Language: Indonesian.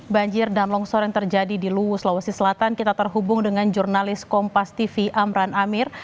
banjir dan longsor yang terjadi di luwu sulawesi selatan kita terhubung dengan jurnalis kompas tv amran amir